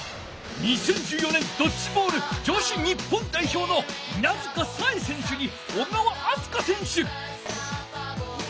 ２０１４年ドッジボール女子日本代表の稲塚小絵選手に小川明日香選手！